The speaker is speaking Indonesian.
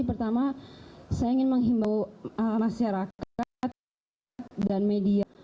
pertama saya ingin menghimbau masyarakat dan media